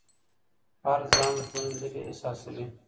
فرد ځان له ټولني لرې احساسوي.